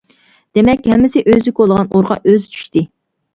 دېمەك، ھەممىسى ئۆزى كولىغان ئورىغا ئۆزى چۈشتى.